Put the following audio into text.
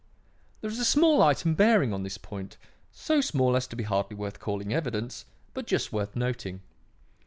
"There is a small item bearing on this point, so small as to be hardly worth calling evidence, but just worth noting.